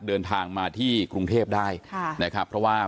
เดินทางมาที่กรุงเทพได้ค่ะนะครับเพราะว่า